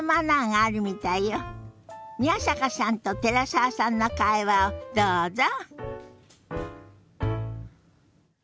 宮坂さんと寺澤さんの会話をどうぞ。